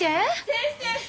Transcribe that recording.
先生！